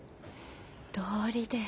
どうりで。